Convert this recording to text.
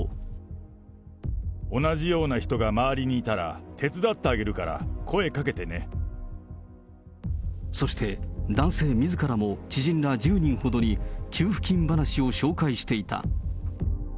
同じような人が周りにいたら、そして、男性みずからも知人ら１０人ほどに給付金話を紹介していた。